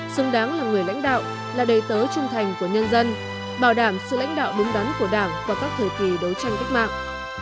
xứng đáng là người lãnh đạo là đầy tớ trung thành của nhân dân bảo đảm sự lãnh đạo đúng đắn của đảng qua các thời kỳ đấu tranh cách mạng